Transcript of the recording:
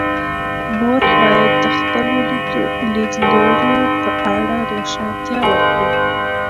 مورخ باید د خپلو لیدلورو په اړه روښانتیا ورکړي.